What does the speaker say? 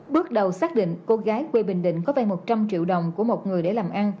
bước đầu xác định cô gái quê bình định có vay một trăm linh triệu đồng của một người để làm ăn